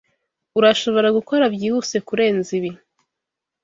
Urashobora gukora byihuse kurenza ibi.